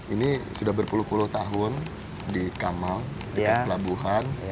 ini sudah berpuluh puluh tahun di kamal di pelabuhan